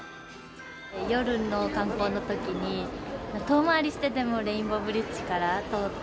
夜の観光のときに、遠回りしてでもレインボーブリッジから通って。